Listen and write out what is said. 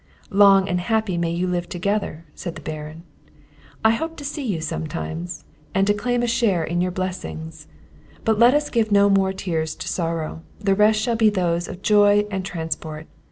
"Long and happily may you live together!" said the Baron; "I will hope to see you sometimes, and to claim a share in your blessings. But let us give no more tears to sorrow, the rest shall be those of joy and transport.